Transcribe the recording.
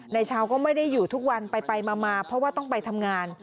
ชาวก็ไม่ได้อยู่ทุกวันไปมาเพราะว่าต้องไปทำงาน